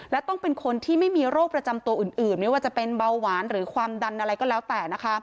และต้องเป็นคนที่ไม่มีโรคประจำตัวอื่นไม่ว่าจะเป็นเบาหวานหรือความดันอะไรก็แล้วแต่นะคะ